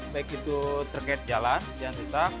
baik itu terkait jalan jantisak